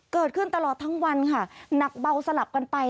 เกิดขึ้นตลอดทั้งวันค่ะหนักเบาสลับกันไป